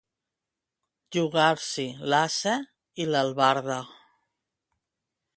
Jugar-s'hi l'ase i l'albarda.